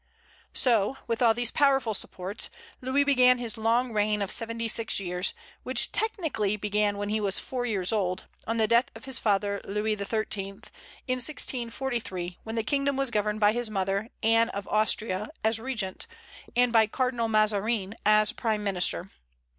So, with all these powerful supports Louis began his long reign of seventy six years, which technically began when he was four years old, on the death of his father Louis XIII., in 1643, when the kingdom was governed by his mother, Anne of Austria, as regent, and by Cardinal Mazarin as prime minister.